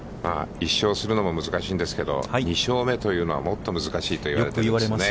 １勝するのも難しいんですけど、２勝目というのは、もっと難しいといわれています。